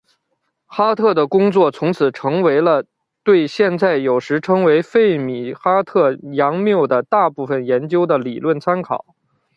哈特的工作从此成为了对现在有时称为费米哈特佯谬的大部分研究的理论参考。